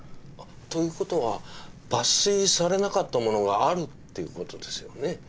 ということは抜粋されなかったものがあるっていうことですよね？